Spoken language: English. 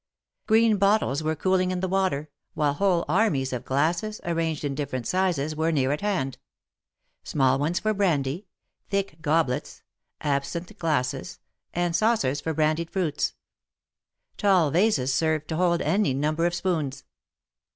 Green bottles were cooling in the water, while whole armies of glasses, arranged in different sizes, were near at hand — small ones for brandy, thick goblets, absinthe glasses, and saucers for brandied fruits. Tall vases served to hold any number of spoons.